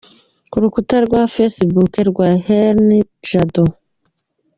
rukuta rwa Facebook rwa Herni Jado.